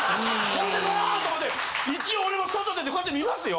ほんでもうと思って一応俺も外出てこうやって見ますよ。